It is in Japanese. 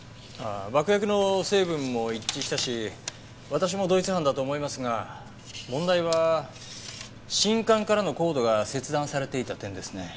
爆薬の成分も一致したし私も同一犯だと思いますが問題は信管からのコードが切断されていた点ですね。